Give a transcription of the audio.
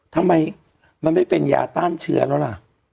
ทำไมมันไม่เป็นยาต้านเชื้อแล้วล่ะ